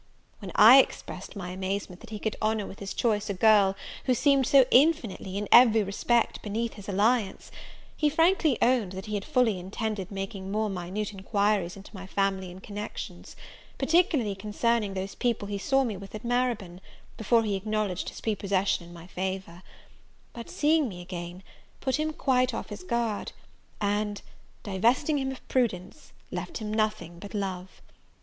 When I expressed my amazement that he could honour with his choice a girl who seemed so infinitely, in every respect, beneath his alliance, he frankly owned, that he had fully intended making more minute inquiries into my family and connections; particularly concerning those people he saw me with at Marybone, before he acknowledged his prepossession in my favour: but seeing me again, put him quite off his guard; and, "divesting him of prudence, left him nothing but love."